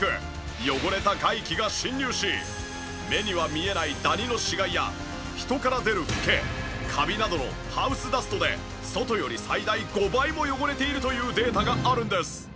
汚れた外気が侵入し目には見えないダニの死骸や人から出るフケカビなどのハウスダストで外より最大５倍も汚れているというデータがあるんです。